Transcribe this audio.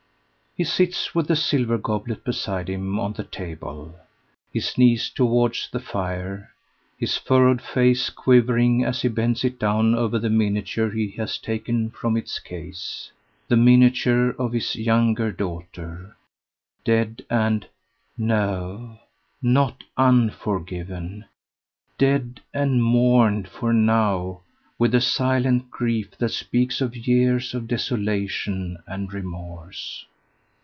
He sits with the silver goblet beside him on the table, his knees towards the fire, his furrowed face quivering as he bends it down over the miniature he has taken from its case, the miniature of his younger daughter, dead and no, not unforgiven dead and mourned for now, with a silent grief that speaks of years of desolation and remorse.